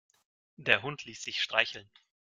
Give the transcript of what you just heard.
Der Hund ließ sich streicheln.